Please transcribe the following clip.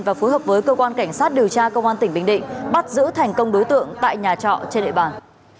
và phối hợp với cơ quan cảnh sát điều tra công an tỉnh bình định bắt giữ thành công đối tượng tại nhà trọ trên địa bàn